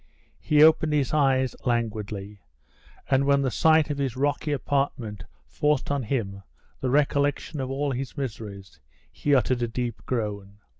He opened his eyes languidly, and when the sight of his rocky apartment forced on him the recollection of all his miseries, he uttered a deep groan.